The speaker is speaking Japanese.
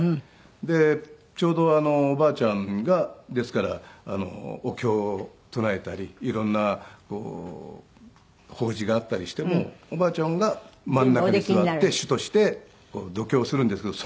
でちょうどおばあちゃんがですからお経を唱えたり色んな法事があったりしてもおばあちゃんが真ん中に座って主として読経をするんですけど。